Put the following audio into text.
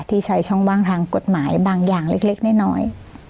ที่ใช้ช่องว่างทางกฎหมายบางอย่างเล็กน้อย